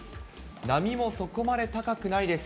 波もそこまで高くないです。